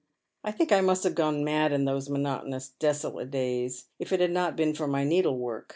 I think I must have gone mad in those monotonous desolate days, if it had not been for my needlework.